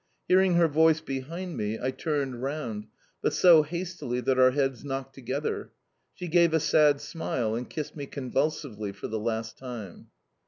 Hearing her voice behind me. I turned round, but so hastily that our heads knocked together. She gave a sad smile, and kissed me convulsively for the last time.